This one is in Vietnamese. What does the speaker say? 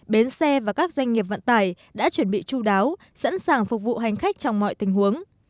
bến xe và các doanh nghiệp vận tải đã chuẩn bị chú đáo sẵn sàng phục vụ hành khách trong mọi tình huống